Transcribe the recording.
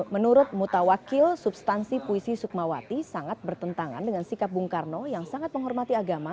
menurut mutawakil substansi puisi sukmawati sangat bertentangan dengan sikap bung karno yang sangat menghormati agama